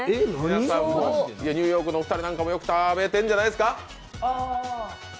ニューヨークのお二人なんかもよく食べてるんじゃないですか。